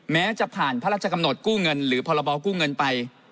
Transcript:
แม้จะผ่านพระราชกำหนดกู้เงินหรือพรบกู้เงินไป